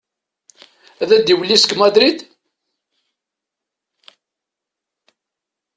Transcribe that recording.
Ad d-iwelli seg Madrid?